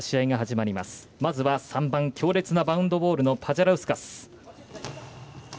まずは３番強烈なバウンドボールのパジャラウスカス。